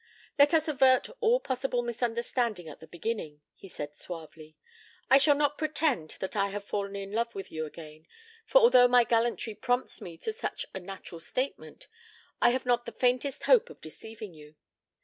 "Let us avert all possible misunderstandings at the beginning," he said suavely. "I shall not pretend that I have fallen in love with you again, for although my gallantry prompts me to such a natural statement, I have not the faintest hope of deceiving you.